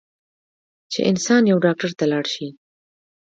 چې انسان يو ډاکټر له لاړشي